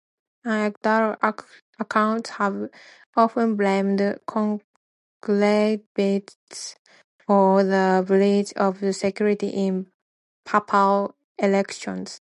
Anecdotal accounts have often blamed conclavists for the breach of secrecy in papal elections.